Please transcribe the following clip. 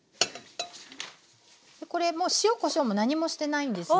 これも塩こしょうも何もしてないんですね。